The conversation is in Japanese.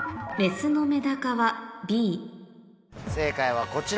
正解はこちら。